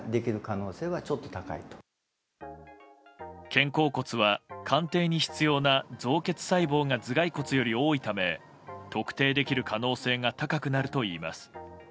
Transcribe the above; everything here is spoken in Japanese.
肩甲骨は鑑定に必要な造血細胞が頭蓋骨より多いため特定できる可能性が高くなるといいます。